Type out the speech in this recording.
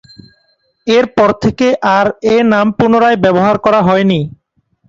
এরপর থেকে আর এ নাম পুনরায় ব্যবহার করা হয়নি।